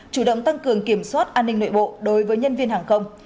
chủ động tăng cường kiểm soát an ninh nội bộ đối với nhân viên hàng không